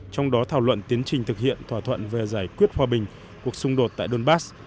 trong đó thảo luận tiến trình thực hiện thỏa thuận về giải quyết hòa bình cuộc xung đột tại donbass